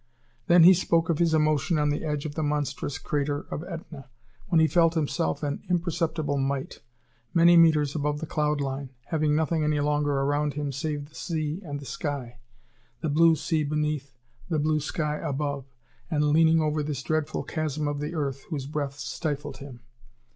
Then he spoke of his emotion on the edge of the monstrous crater of Etna, when he felt himself, an imperceptible mite, many meters above the cloud line, having nothing any longer around him save the sea and the sky, the blue sea beneath, the blue sky above, and leaning over this dreadful chasm of the earth, whose breath stifled him.